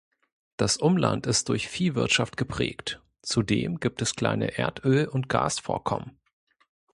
Das Umland ist durch Viehwirtschaft geprägt, zudem gibt es kleine Erdöl- und Gasvorkommen.